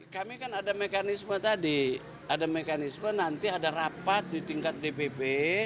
kami kan ada mekanisme tadi ada mekanisme nanti ada rapat di tingkat dpp